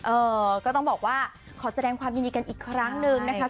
เออก็ต้องบอกว่าขอแสดงความยินดีกันอีกครั้งหนึ่งนะคะ